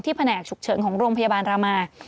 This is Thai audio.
แผนกฉุกเฉินของโรงพยาบาลรามา